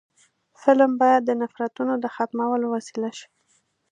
فلم باید د نفرتونو د ختمولو وسیله شي